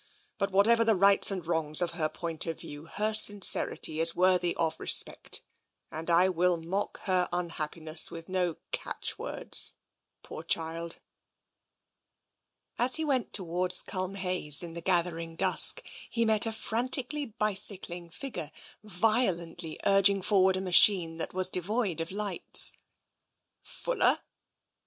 But whatever the rights or the wrongs of her point of view, her sincerity is worthy of respect. And I will mock her unhappi ness with no catchwords, poor child." As he went towards Culmhayes in the gathering dusk, he met a frantically bicycling figure violently urging forward a machine that was devoid of lights. "Fuller!"